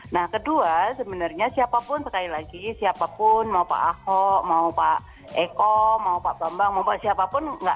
nah kedua sebenarnya siapapun sekali lagi siapapun mau pak ahok mau pak eko mau pak bambang mau pak siapapun